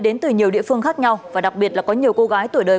đến từ nhiều địa phương khác nhau và đặc biệt là có nhiều cô gái tuổi đời